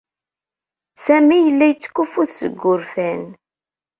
Sami yella yettkuffut seg wurfan.